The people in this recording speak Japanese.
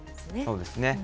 そうですね。